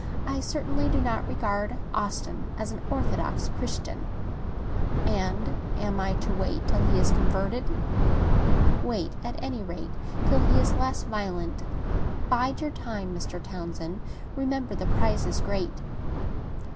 "I certainly do not regard Austin as a satisfactory Christian." "And am I to wait till he is converted?" "Wait, at any rate, till he is less violent. Bide your time, Mr. Townsend; remember the prize is great!"